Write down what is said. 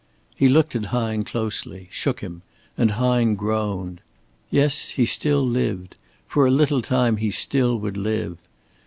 He looked at Hine closely, shook him, and Hine groaned. Yes, he still lived for a little time he still would live.